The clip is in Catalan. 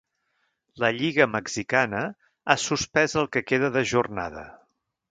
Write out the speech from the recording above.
La lliga mexicana ha suspès el que queda de jornada.